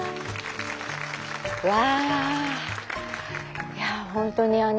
うわ。